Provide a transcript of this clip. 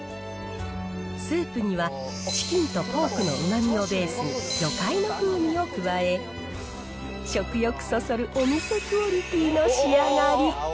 スープにはチキンとポークのうまみをベースに、魚介の風味を加え、食欲そそるお店クオリティーの仕上がり。